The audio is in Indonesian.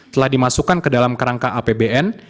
telah dimasukkan ke dalam kerangka apbn